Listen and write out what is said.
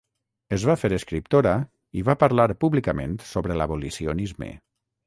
Es va fer escriptora i va parlar públicament sobre l'abolicionisme.